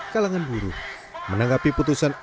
kalangan buruh menanggapi putusan